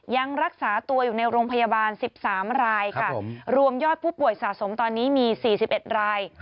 ยังรักษาตัวอยู่ในโรงพยาบาลสิบสามรายครับผมรวมยอดผู้ป่วยสะสมตอนนี้มีสี่สิบเอ็ดราย